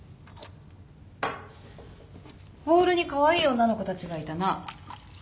ホールにカワイイ女の子たちがいたな。